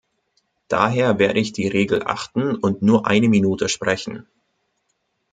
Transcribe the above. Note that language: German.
Daher werde ich die Regel achten und nur eine Minute sprechen.